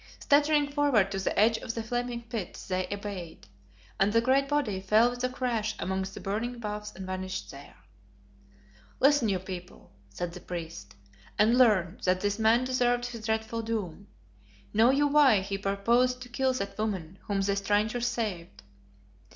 Staggering forward to the edge of the flaming pit, they obeyed, and the great body fell with a crash amongst the burning boughs and vanished there. "Listen, you people," said the priest, "and learn that this man deserved his dreadful doom. Know you why he purposed to kill that woman whom the strangers saved?